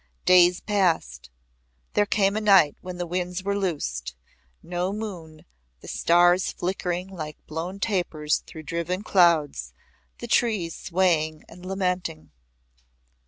Days passed. There came a night when the winds were loosed no moon, the stars flickering like blown tapers through driven clouds, the trees swaying and lamenting.